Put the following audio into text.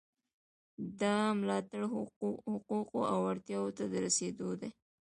دا ملاتړ حقوقو او اړتیاوو ته د رسیدو دی.